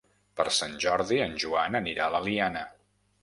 Per Sant Jordi en Joan anirà a l'Eliana.